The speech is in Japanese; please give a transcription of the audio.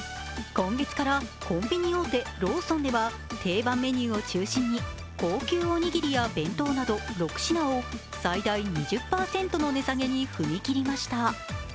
今月からコンビニ大手ローソンでは定番メニューを中心に高級おにぎりや弁当など６品を最大２０％の値下げに踏み切りました。